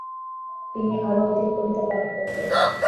তিনি আরও অধিক কবিতা পাঠ করতেন।